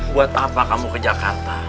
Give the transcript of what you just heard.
buat apa kamu ke jakarta